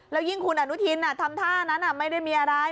แล้วยิ่งคุณอนุทินทำท่านั้นไม่ได้มีอะไร